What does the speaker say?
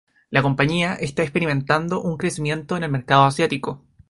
La compañía está experimentando un crecimiento en el mercado asiático.